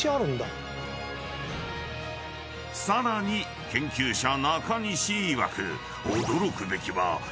［さらに研究者中西いわく］